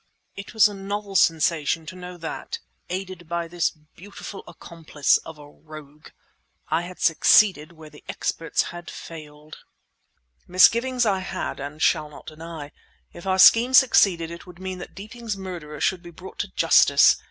It was a novel sensation to know that, aided by this beautiful accomplice of a rogue, I had succeeded where the experts had failed! Misgivings I had and shall not deny. If our scheme succeeded it would mean that Deeping's murderer should be brought to justice.